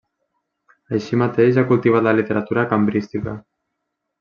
Així mateix ha cultivat la literatura cambrística.